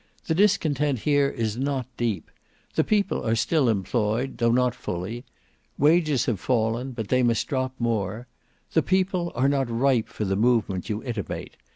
The discontent here is not deep. The people are still employed, though not fully. Wages have fallen, but they must drop more. THE PEOPLE are not ripe for the movement you intimate.